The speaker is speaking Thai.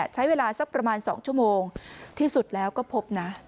ใช้เวลาสักประมาณ๒ชั่วโมงที่สุดแล้วก็พบนะ